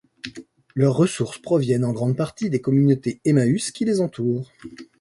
Leurs ressources proviennent en grande partie des communautés Emmaüs qui les entourent.